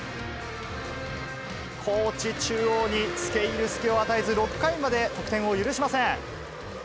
高知中央につけいる隙を与えず、６回まで得点を許しません。